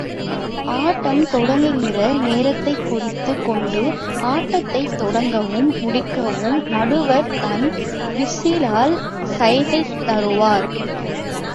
ஆட்டம் தொடங்குகிற நேரத்தைக் குறித்துக் கொண்டு, ஆட்டத்தைத் தொடங்கவும், முடிக்கவும், நடுவர் தன் விசிலால் சைகை தருவார்.